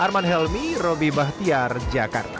arman helmi robby bahtiar jakarta